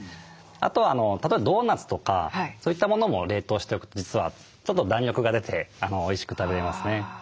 あとは例えばドーナツとかそういったものも冷凍しておくと実はちょっと弾力が出ておいしく食べれますね。